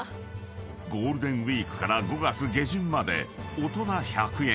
［ゴールデンウイークから５月下旬まで大人１００円